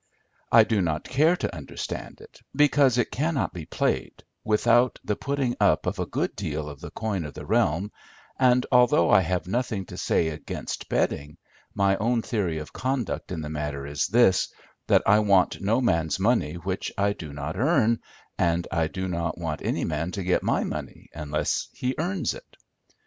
I do not care to understand it, because it cannot be played without the putting up of a good deal of the coin of the realm, and although I have nothing to say against betting, my own theory of conduct in the matter is this, that I want no man's money which I do not earn, and I do not want any man to get my money unless he earns it.